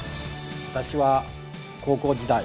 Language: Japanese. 私は高校時代